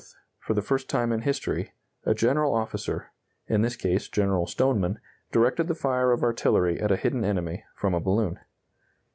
] On May 24th, for the first time in history, a general officer in this case, General Stoneman directed the fire of artillery at a hidden enemy from a balloon.